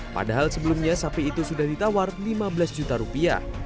padahal sebelumnya sapi itu sudah ditawar lima belas juta rupiah